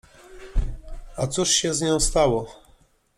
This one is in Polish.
— A cóż się z nią stało?